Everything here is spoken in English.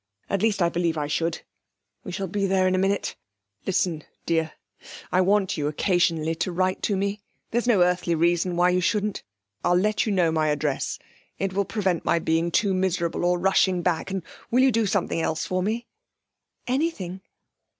At least, I believe I should...We shall be there in a minute. 'Listen, dear. I want you, occasionally, to write to me; there's no earthly reason why you shouldn't. I'll let you know my address. It will prevent my being too miserable, or rushing back. And will you do something else for me?' 'Anything.'